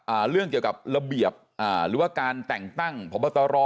เรื่องเกี่ยวกับระเบียบอ่าหรือว่าการแต่งตั้งพบตร